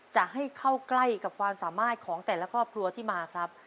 จะให้เข้าใกล้กับความสามารถของแต่ละครอบครัวที่มาครับ